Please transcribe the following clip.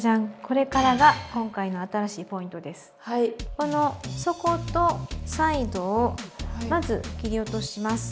この底とサイドをまず切り落とします。